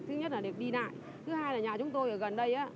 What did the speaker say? thứ nhất là để đi lại thứ hai là nhà chúng tôi ở gần đây